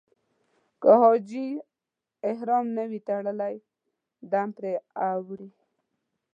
که حاجي احرام نه وي تړلی دم پرې اوړي.